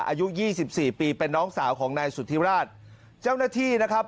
อายุยี่สิบสี่ปีเป็นน้องสาวของนายสุธิราชเจ้าหน้าที่นะครับ